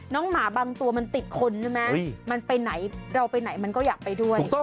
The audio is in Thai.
หมาบางตัวมันติดคนใช่ไหมมันไปไหนเราไปไหนมันก็อยากไปด้วย